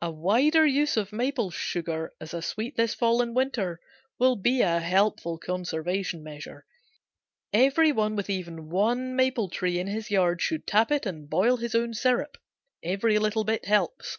A wider use of maple sugar as a sweet this fall and winter will be a helpful conservation measure. Every one with even one maple tree in his yard should tap it and boil his own syrup. Every little bit helps.